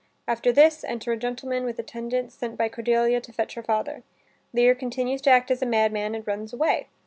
After this, enter a gentleman with attendants sent by Cordelia to fetch her father. Lear continues to act as a madman and runs away.